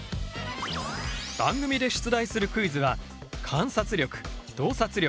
番組で出題するクイズは観察力洞察力